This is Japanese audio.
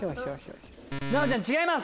奈央ちゃん違います。